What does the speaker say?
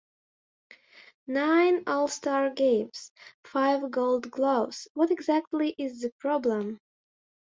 Nine All-Star Games, five Gold Gloves - what exactly is the problem?